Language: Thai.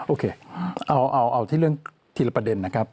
โอเคเอาที่เรื่องทีละประเด็นนะครับ